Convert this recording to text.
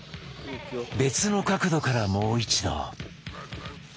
別の角度からもう一度。